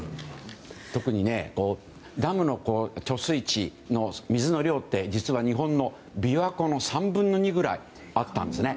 特にダムの貯水池の水の量って実は日本の琵琶湖の３分の２ぐらいあったんですね。